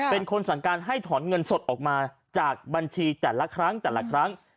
เป็นคนสั่งการให้ถอนเงินสดออกมาจากบัญชีแต่ละครั้งแต่ละครั้ง